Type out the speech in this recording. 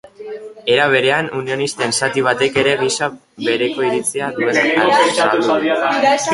Era berean, unionisten zati batek ere gisa bereko iritzia duela azaldu du.